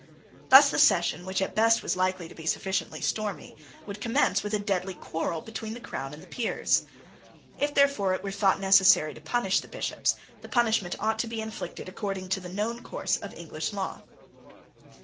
Thus the session, which at best was likely to be sufficiently stormy, would commence with a deadly quarrel between the crown and the peers. If therefore it were thought necessary to punish the Bishops, the punishment ought to be inflicted according to the known course of English law.